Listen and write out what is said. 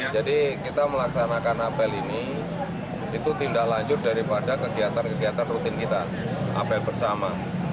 jadi kita melaksanakan apel ini itu tindak lanjut daripada kegiatan kegiatan rutin kita apel bersama